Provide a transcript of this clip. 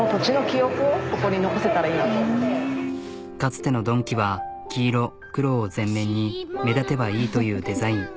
かつてのドンキは黄色黒を全面に目立てばいいというデザイン。